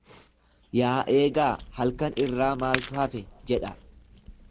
Yaa eegaa halkan irraa maaltu hafe? jedha.